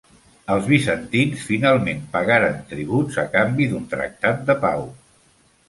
Els bizantins finalment pagaren tributs a canvi d'un tractat de pau.